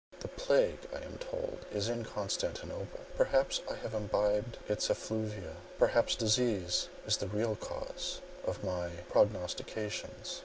The plague I am told is in Constantinople, perhaps I have imbibed its effluvia—perhaps disease is the real cause of my prognostications.